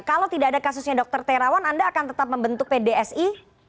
kalau tidak ada kasusnya dr terawan anda akan tetap membentuk pdsi